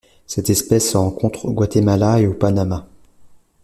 Cette espèce se rencontre au Guatemala et au Panama.